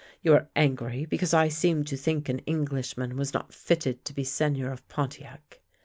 You are angry because I seemed to think an English man was not fitted to be Seigneur of Pontiac.